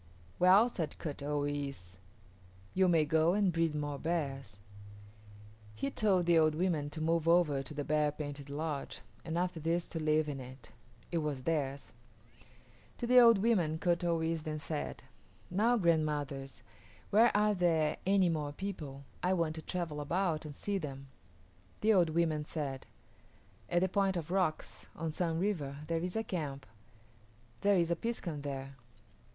"Well," said Kut o yis´, "you may go and breed more bears." He told the old women to move over to the bear painted lodge and after this to live in it. It was theirs. To the old women Kut o yis´ then said, "Now, grandmothers, where are there any more people? I want to travel about and see them." The old women said, "At the Point of Rocks on Sun River there is a camp. There is a piskun there."